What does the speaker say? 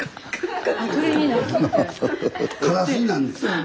カラスになんねん。